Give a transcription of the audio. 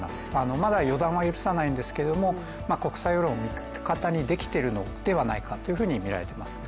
まだ予断は許さないんですけども、国際世論を味方にできているのではないかと思います。